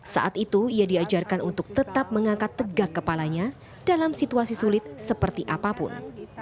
saat itu ia diajarkan untuk tetap mengangkat tegak kepalanya dalam situasi sulit seperti apapun